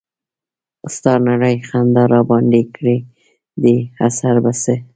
ستا نرۍ خندا راباندې کړے دے اثر پۀ څۀ